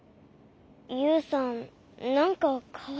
ユウさんなんかかわいそう。